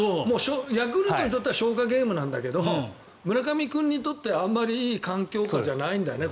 ヤクルトにとっては消化ゲームだけど村上君にとってはあまりいい環境下じゃないんだね